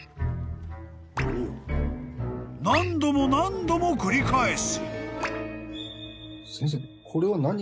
［何度も何度も繰り返す］